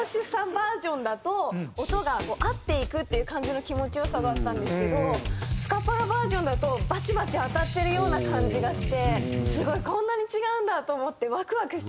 バージョンだと音が合っていくっていう感じの気持ち良さがあったんですけどスカパラバージョンだとバチバチ当たってるような感じがしてすごいこんなに違うんだと思ってワクワクしちゃいましたね。